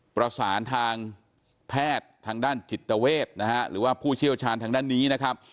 ประสานทางแพทย์ทางด้านจิตเวทนะฮะหรือว่าผู้เชี่ยวชาญทางด้านนี้นะครับ